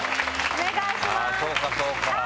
お願いします。